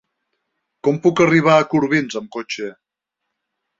Com puc arribar a Corbins amb cotxe?